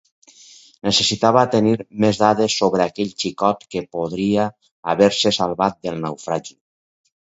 Necessitava tenir més dades sobre aquell xicot que podria haver-se salvat del naufragi.